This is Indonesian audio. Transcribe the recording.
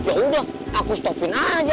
yaudah aku stopin aja